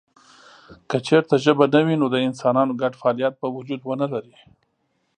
که چېرته ژبه نه وي نو د انسانانو ګډ فعالیت به وجود ونه لري.